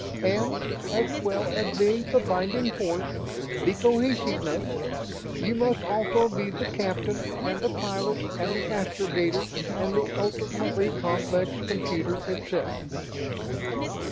And, as well as being the binding force, the cohesiveness, you must also be the captain and the pilot and the astrogator and the ultimately complex computer itself."